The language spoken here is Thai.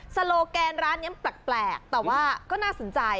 โลแกนร้านนี้แปลกแต่ว่าก็น่าสนใจ